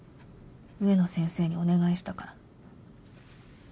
植野先生にお願いしたから。